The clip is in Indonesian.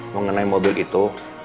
mengenai mobil itu